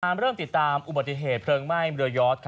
เราต้องเริ่มติดตามอุบัติเหตุผลิงไหม้เรือยอศ